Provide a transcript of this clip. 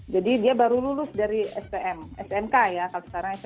jadi dia baru lulus dari stm smk ya kalau sekarang smk